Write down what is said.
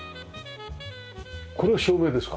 これは照明ですか？